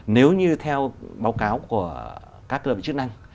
nếu như theo báo cáo của các cơ lợi chức năng